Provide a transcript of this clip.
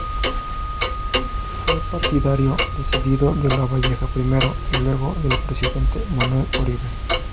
Fue partidario decidido de Lavalleja, primero, y luego del presidente Manuel Oribe.